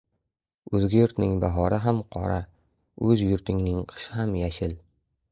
• O‘zga yurtning bahori ham qora, o‘z yurtingning qishi ham yashil.